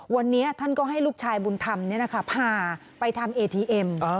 วันนี้ท่านก็ให้ลูกชายบุญธรรมพาไปทำเอทีเอ็ม